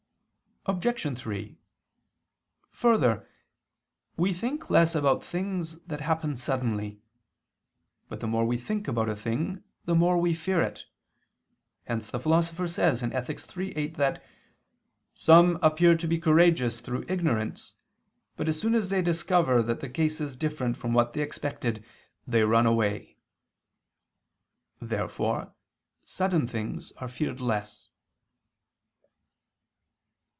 Obj. 3: Further, we think less about things that happen suddenly. But the more we think about a thing, the more we fear it; hence the Philosopher says (Ethic. iii, 8) that "some appear to be courageous through ignorance, but as soon as they discover that the case is different from what they expected, they run away." Therefore sudden things are feared less.